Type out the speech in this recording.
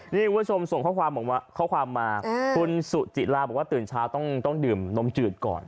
นี่คุณผู้ชมส่งข้อความข้อความมาคุณสุจิลาบอกว่าตื่นเช้าต้องดื่มนมจืดก่อน